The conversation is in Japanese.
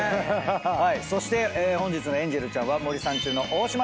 そして本日のエンジェルちゃんは森三中の大島さんでーす。